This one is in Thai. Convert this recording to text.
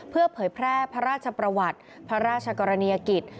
เพื่อเผยแพร่พระราชประวัติพระราชกรณียกิจ